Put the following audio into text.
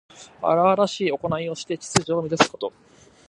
荒々しいおこないをして秩序を乱すこと。